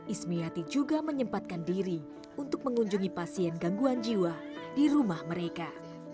ismiati juga menyempatkan diri untuk mengunjungi pasien gangguan jiwa di rumah mereka